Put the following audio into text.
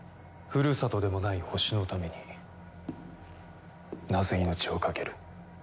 ふるさとでもない星のためになぜ命を懸ける？